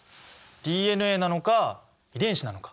ＤＮＡなのか遺伝子なのか。